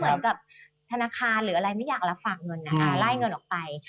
เหมือนกับธนาคารหรืออะไรไม่อยากรับฝากเงินนะคะไล่เงินออกไป